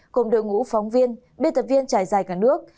cùng đội ngũ phóng viên biên tập viên trải dài cả nước